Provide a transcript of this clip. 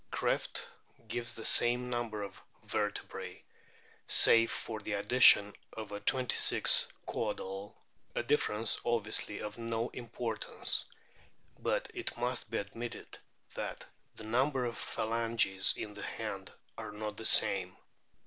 Krefft gives the same number of vertebrae, save for the addition of a twenty sixth caudal, a difference obviously of no importance. But it must be admitted that the number of phalanges in the hand are not the same.